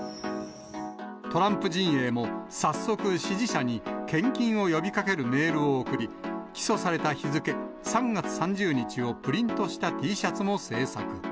トランプ陣営も、早速、支持者に献金を呼びかけるメールを送り、起訴された日付、３月３０日をプリントしたＴシャツも製作。